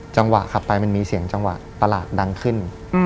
จังหวะขับไปมันมีเสียงจังหวะประหลาดดังขึ้น